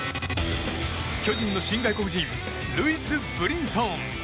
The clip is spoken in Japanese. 巨人の新外国人ルイス・ブリンソン。